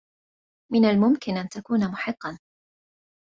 من الممكن أن تكون محقا.